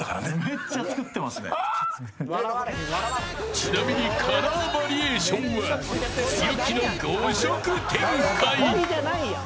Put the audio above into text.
ちなみにカラーバリエーションは強気の５色展開。